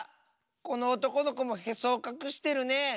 このおとこのこもへそをかくしてるね。